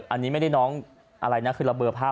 อันนี้ไม่ได้น้องอะไรนะคือระเบอร์ภาพ